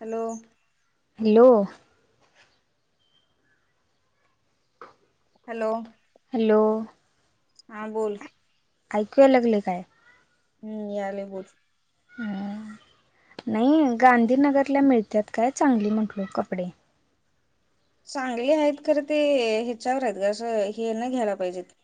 [inaudible] Hello hello! ! Hello hello हा बोल ऐकू यायला लागलंय काय? हमं यायलय बोल हमं नाही गांधीनगरला मिळतात काय चांगली म्हटलो कपडे? चांगले आहेत खरं ते ह्याच्यावर आहेत ग असं हेन घ्यायला पाहिजेत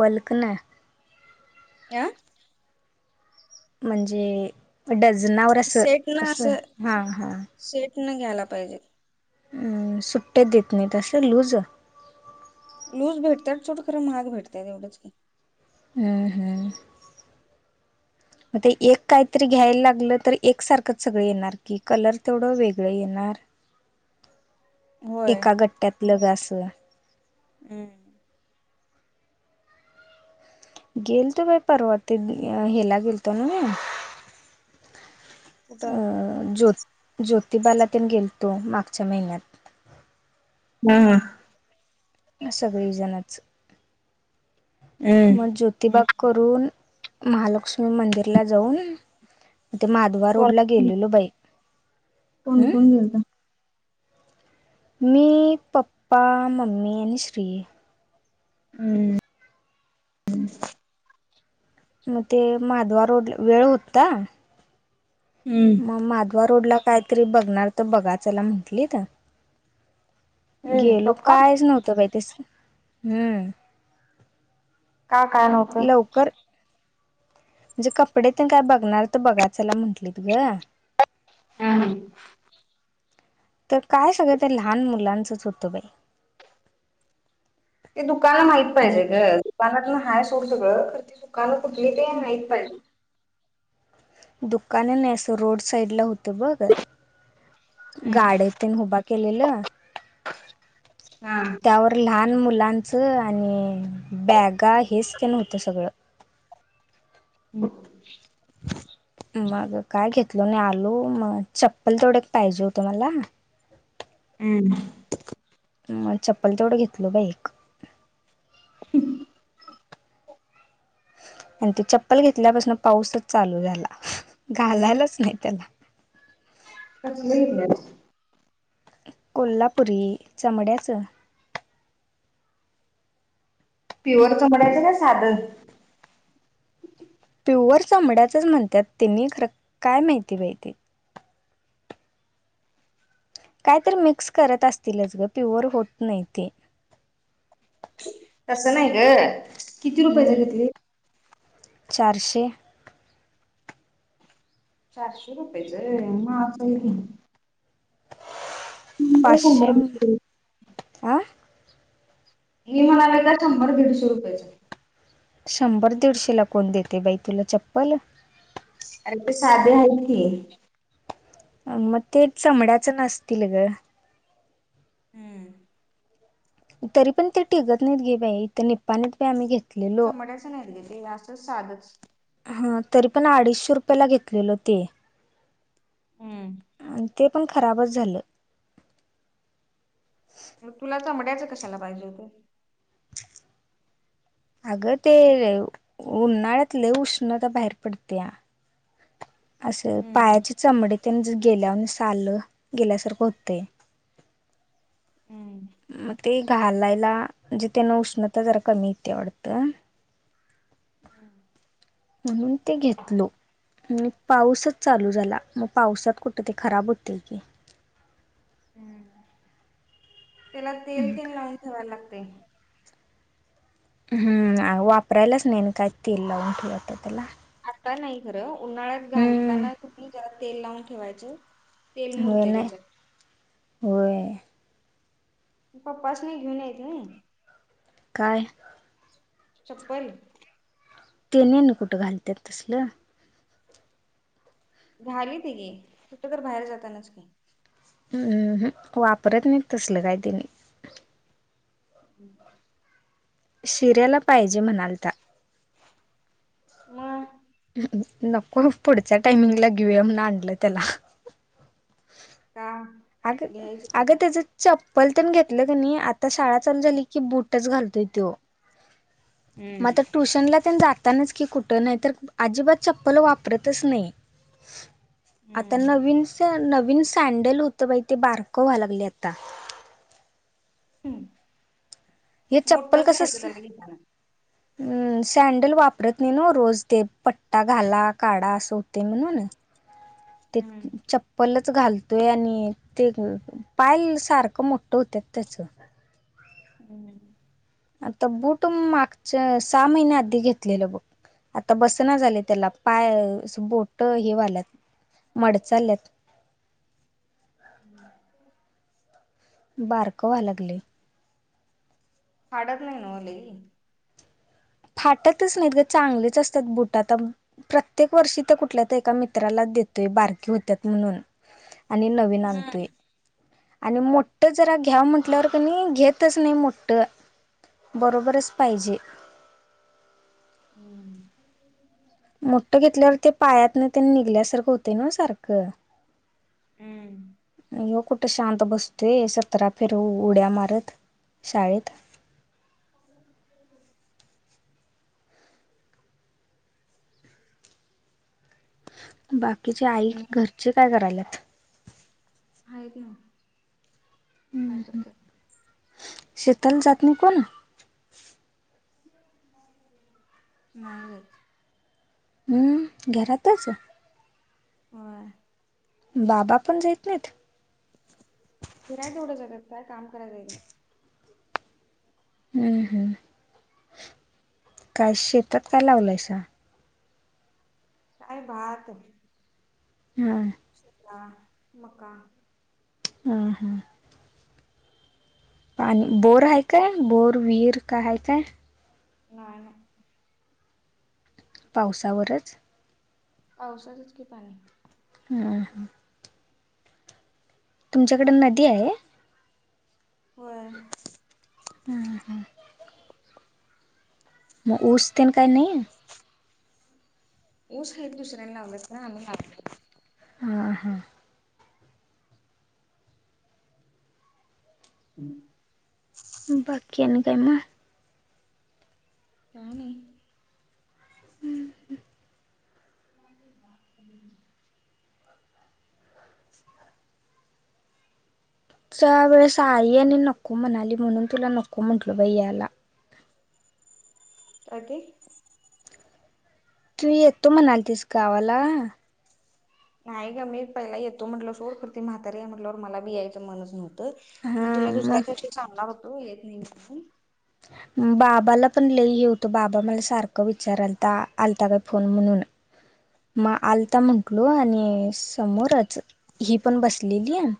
बल कयान आ म्हणजे डझनावर असं सेट न असं हा हा सेट न घ्यायला पाहिजे अ सुट्ट्या देत नाही अस लूज. लूज भेटतात सोड खरं महाग तश एवढं की हम्म हम्म मग ते एक काहीतरी घ्यायला लागलं तर एक सारखं सगळ येणार की कलर तेवढं वेगळं येणार होय एका गट्टयायातलग असं हम् गेल तो बाई परवा ते हेला गेलतो ना म होता. अ ज्योत ज्योतिबाला ते गेलतो मागच्या महिन्यात. हम् ह सगळी जणच हम्म मग ज्योतिबाग करून महालक्ष्मी मंदिरला जाऊन. ते माधवा रोड ला गेलेलो बाई. कोण हम्म कोण गेलता? म पपा ममी आणिन सरी. हम्. म ते माधवा रोड वेळ होता. हम्म मग माधवा रोड ला कायतरी बघणार तर बघायचला म्हटली तर. ए गेलो पप्पा कायच नव्हतं बाही तेस हम्म. का काय नव्हत. लवकर. म्हणजे कपडे ते काय बघणार तर बघायचंला म्हटली त गं. हम् हम. तर काय सगळं ते लहान मुलांचंच होतं बाई. ते दुकान माहित आणि पाहिजे ग दुकानातन हय सोड सगळं खर ते दुकानं कुठली ते माहित पाहिजे. दुकान नाही असं रोड साईड ला होत. ते बघ गाड उभा केलेला. हा. त्यावर लहान मुलांचं आणि बॅगा हेच ते नव्हतं सगळं हो. मग काय घेतल नाही आलू मग चप्पल तेथवढ पाहिजे होतं मला. हम. ह चप्पल तेवढं घेतल बा एक ह्. आणि ते चप्पल घेतल्यापासून पाऊसच चालू झाला घालायलाच नाही त्याला कच नाही कोल्हापुरी चमड्याचं. प्युअर चमडायचं ना साधन प्युअर चचामड्याचच म्हणतात त्यांनी खरं काय माहिती माहिती कायतरी मिक्स करत असतीलच ग प्युअर होत नाही ते तसं नाही ग किती रुपये हम्म जगितले. चारशे. चारशे रुपयेचं मां ह हो. आं मी मलालात शंभर दीडशे रुपयाच. शंभर दीडशे ला कोण देते बाई तुला चप्पल. अरे ते साधे आहेत क मग ते चमड्याच नसतील ग. हम्म. तरी पण ते टिकगत नाहीत घे बा इथ निपपा प आम्ही घेत. समायचं नाही तेे असं साधच. हा तरी पण अडीचशे रुपयाला घेतलेल ते हम. आणि ते पण खराबच झालं. मग तुला चमड्याचं कशाला पाहिजे होत. अगं ते, उन्हाळ्यात लई उष्णता बाहेर पडत्या. असं हम्म पायाची चमडी तेन गेल्यावाणी साललं, गेल्यासारखं होतं. हम्. म ते घालायला जेथेना उष्णता जरा कमी येत्या वाढत. म्हणून ते घेतलो. आणि पाऊसच चालू झाला म पावसात कुठं ते खराब होते की. हम्म, त्याला तेल तेन लावून ठेवायला लागतय. हम्म आवो वापरलाच नई काय तेल लाऊन ठेव आता त्याला. आता नाही खरं उन्हाळ्यात हम्म घालताना कनी जरा तेल लावून ठेवायच. होय नाही, होय. पप्पास नी घेऊन याच नाही. काय. चप्पल. तेनी आणि कुठं घालत्यात तसलं. झाली ती गी, कुठं तर बाहेर जातानाच की. [unintelligible] हम्म, वापरत नाही तसल काही तेनि. हम्. शिरयाला पाहिजे म्हणालता. म. नको पुढच्या टाइमिंगला घेऊया म्हनून आणलं त्याला. का? अग, घ्यायच अग तेज चप्पल तेन घेतलं का नाही आता शाळा चालू झाली की बूटच घालतोय तो. हम्म म आता ट्युशनला तेन जातानाच कि कुठं नाही तर अजिबात चप्पल वापरतच नाही. आता हम्म नवीन सॅं नवीन सँडल होतं बई ते बारकं व्हाय लागलय आता. हम्, हे मोठच घ्यायचं त्याला घेताना. हम्म सँडल वापरत नाही न रोज ते, पट्टा घाला काढा असं होतय म्हणून. ते, हम्म चप्पल च घालतोय आणि ते पाय सारखं मोठं होत्यात त्याचं. हम्म. आता बूट मागच्या, सहा महिन्या आधी घेतलेलं बक. आता बसना झालय त्याला पाय बोट हे वाल्यात, मडचालल्यात. हम्म. बारक वाय लागलय. फाडत नाही नव लई. फाटतच नाहीत ग चांगलेच असतात बुट आता प्रत्येक वर्षी त्यो कुठल्या तर एका मित्राला देतोय बारकी होत्यात म्हणून. आणि नवीन आणतोय. हम्म आणि मोठ जरा घ्याव म्हंटल्यावर कणी घेतच नाही मोठ. बरोबरच पाहिजे. हम्म. मोठं घेतल्यावर ते पायात न तेन निघल्यासारखं होत नव सारखं. हम्. यो कुठ शांत बसतोय सतरा फिरव उड्या मारत, शाळेत. [inaudible] [inaudible] बाकीचे आई, घरचे काय करायल्यात? हायत ना, काय करत्यात? शेताल जात नाही कोण? नाहीरच. हम्म घेरा तरच. हो. बाबा पण जायत नाहीत फिरायला तेवढं झागत काय काम कराय जाईल. हम्म हम् काय शेतात काय लावलायसा. का भात ह. मका हम हम. पाणी बोर आहे काय बोर विहीर का आहेय काय. नाही नाही. पावसावरच. औषधच की पाणी. ह ह. तुमच्याकडे नदी आहे. वर हम्म हम्. मग उऊसतीलन काही नाही. ऊस आहेत एक दुसऱ्यांनी लावलंस तर आम्ही लागले. ह हा. हम्. बाकीन ग म काण हम्म ह्. म बा [inaudible] वेळेस आई आणि नको म्हणाली म्हणून तुला नको म्हटल भाै याला अगे तू यत्तो मनाला तस कावला. नाही ग मी पहिला येतो म्हटलं सोडखरती म्हातारी आहे म्हटलंवर मला बियच मनच नव्हं. मी हा तुला दुसऱ्या मग दिवशी सांगणार होतो येत. बाबाला पण लई ये होतो बाबा मला सारखं विचारालता आलता काय फोन म्हणून. मग आलता म्हंटलो आणि समोरच ही पण बसलेली आहे.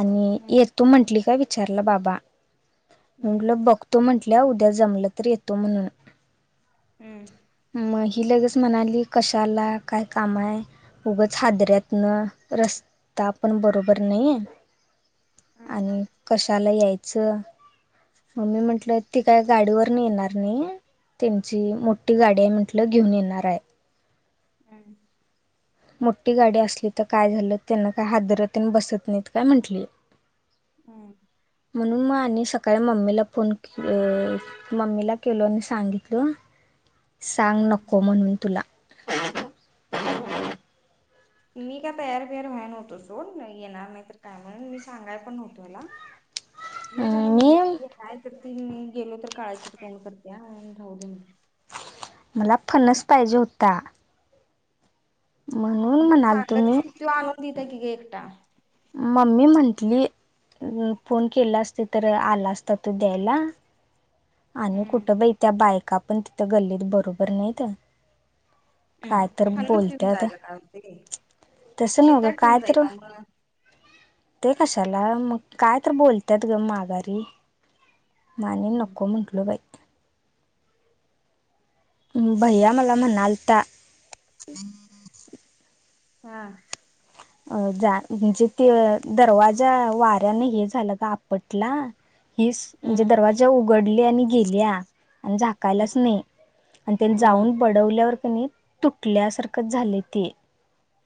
आणि येतो म्हंटली का विचारला बाबा हम्म म्हटलं बघ. तो म्हंटल्या उद्या जमला तर येतो म्हणून. हम्म. मग ही लगेच म्हणाली कशाला काय काम आहे. उगच हादऱ्यातन रस्ता पण बरोबर नाहीये. हम्म आणि कशाला यायचं? मम्मी म्हंटलं ती काय गाडीवरून येणार नाही. त्यांची मोठी गाडी आहे म्हटलं घेऊन येणार आहे. हम्. मोठी गाडी असली तर काय झालं त्यांना काय हादरात बसत नाहीत काय म्हटली. हम्. म्हणून मग आणि सकाळी मम्मीला फोन के मम्मीला केलो आणि सांगितल सांग हम्म नको म्हणून तुला हम्म ह. मी का तयार बियार व्हाय नवतो सोड येणार नाही तर काय म्हणून मी सांगाय पण नव्हतो हला ह. मी जनी म्हटलं की हाय. त गेलो तर काळकड तोंड कर्त्या आणि राहूदे म्हटलं. मला फणस पाहिजे होता. म्हणून म म्हणाल सांगा तस तुम्ही कि तू आणून दता की का एकटा मम्मी म्हणटली फोन केला असते, तर आला असता तो द्यायला. आणि हम्म कुठं बाई त्या बायका पण तिथं गल्लीत बरोबर नाहीत, हम्म. काय तर पन्नास घेऊन बोलत्यात जायला काय होते तसं नव गं शेतात काय ठेवून तर, जायचा मग ते कशाला मग काय तर बोलत्यात ग माघारी मग आणि हम्म. नको म्हणलो बाई भैया मला म्हणालता, हा अ जा म्हणजे ते दरवाजा वाऱ्याने हे झालं का आपटला, हीच म्हणजे हम्म. दरवाजा उघडले आणि गेल्या आणि हम्म. झाकायलाच नाही, आणि त्या हम्म. जाऊन बड ल्यावर कानी तुटल्यासारखे झालय ते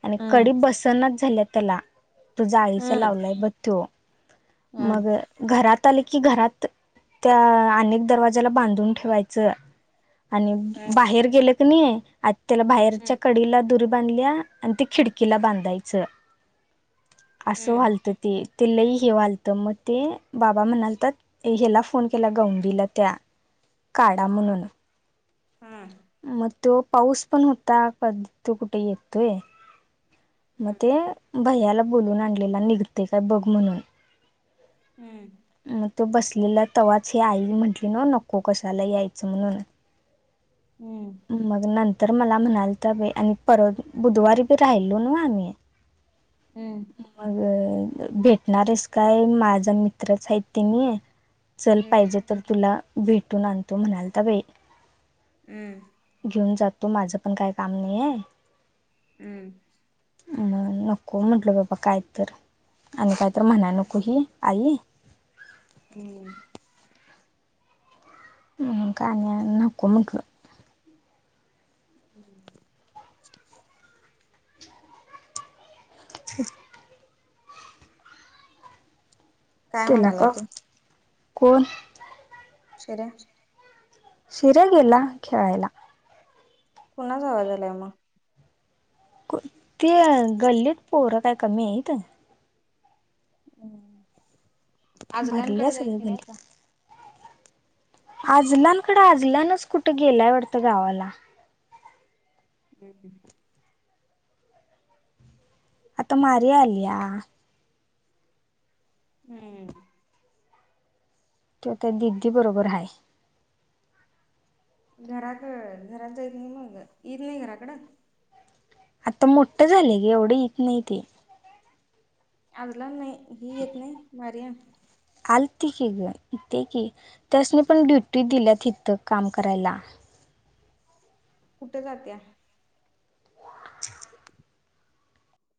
आणि कडी बसत सणच झाल्या त्याला तो जाळीचा हम्म. लावलाय ब तो हम्म. मग घरात आले की घरात त्या अनेक दरवाज्याला बांधून ठेवायचं, आणि बाहेर गेलं कनी त्याला बाहेरच्या हम्म. कडीला दुर बंधल्या आणि ते खिडकीला बांधायच हम्म. अस व्हा हम्म. ते ते लई हे वालतं मग ते बाबा म्हणालतत, ह्याला फोन केला गवंडीला त्या काढा हम्म. म्हणून, हम्म मग तो पाऊस पण होता कध तो कुठे येतोय, मग ते भैयाला बोलून आणलेला निघते काय बघ म्हणून, हम्म मग तो बसलेला तवा्हाच हे आई म्हंटली ना नको कशाला यायचं म्हणून हम्म मग नंतर मला म्हणालता बाई आणि परत बुधवारी बी राहिलो ना आम्ही. [unintelligible] हम् मग भेटणारस काय माझा मित्रच आहेत ते मी चल पाहिजे तर तुला भेटून आणतो म्हणाल तर बाई हम्म घेऊन जातो माझं पण काय काम नाही आहे. हम्म अ नको म्हंटलं बाबा काय तर, आणि काय तर म्हणाय नको ही आई. हम् का नाको म्हटलो हम् ह काय तेला म्हणालाय का? तू कोण? शेऱ्या शिऱ्या गेला खेळायला. कुणाचा आवाज यालय मग? ते गल्लीत पोरं काय कमी आहेेत. हम्म भरल्या आजलांकडे जाइत सगळी नाही काय आता? आजलांकड आजलानच कुठं गेलाय वाटतं गावाला, हम् हम आता मारी आलीया हम्म ति आता दिदी बरोबर आहेा घराकड घरात जायच नाही मग ईेत नाही घराकडं? आता मोठं झालेय ग एवढे येत नाही ते. अजला नाही ही येत नाही मार्या. आलती की ग इथे की त्यासनी पण ड्युटी दिल्यात इथं काम करायला. कुठे जात्या?